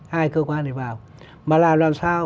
hai cơ quan này vào mà làm làm sao